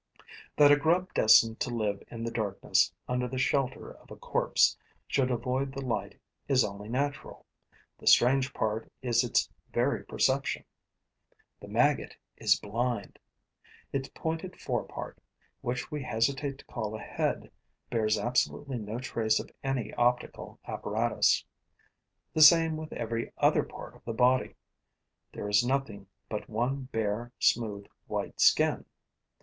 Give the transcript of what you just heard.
That a grub destined to live in the darkness, under the shelter of a corpse, should avoid the light is only natural; the strange part is its very perception. The maggot is blind. Its pointed fore part, which we hesitate to call a head, bears absolutely no trace of any optical apparatus; and the same with every other part of the body. There is nothing but one bare, smooth, white skin.